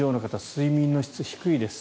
睡眠の質が低いです。